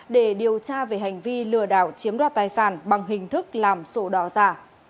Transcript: để điều tra về hành vi lừa đảo chiếm đoạt tài sản bằng hình thức làm sổ đỏ giả